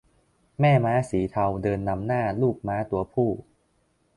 แม่ม้าสีเทาเดินนำหน้าลูกม้าตัวผู้